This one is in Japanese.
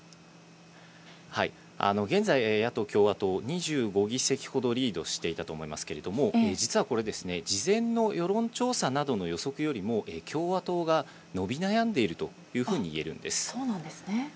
現在、野党・共和党、２５議席ほどリードしていたと思いますけれども、実はこれ、事前の世論調査の予測よりも、共和党が伸び悩んでいるというふうに言えるんです。